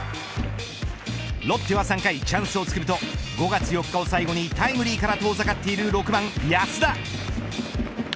ロッテは３回、チャンスをつくると５月４日を最後にタイムリーから遠ざかっている６番、安田。